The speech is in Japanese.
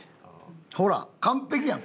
ほら完璧やん。